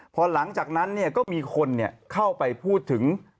พอหลังจากนั้นก็มีคนเข้าไปพูดถึง